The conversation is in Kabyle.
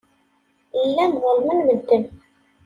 Llan ḍellmen medden.